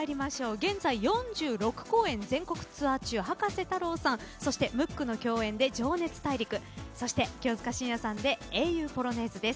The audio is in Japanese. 現在、４６公演全国ツアー中葉加瀬太郎さんムックの共演で「情熱大陸」そして清塚信也さんで「英雄ポロネーズ」です。